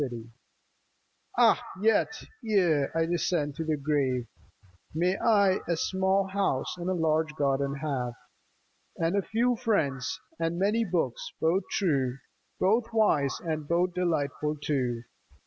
COWLEYŌĆö COWPER 123 Ah yet, ere I descend to the grave, May I a small house and large garden have ; And a few friends, and many books, both true, Both wise, and both delightful too